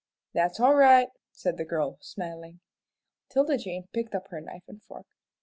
"That's all right," said the girl, smiling. 'Tilda Jane picked up her knife and fork.